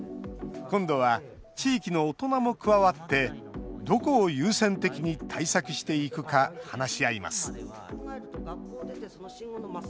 今度は地域の大人も加わってどこを優先的に対策していくか話し合います。